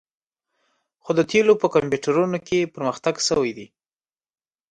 خو د تیلو په کمپیوټرونو کې پرمختګ شوی دی